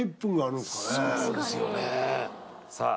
そうですよねさあ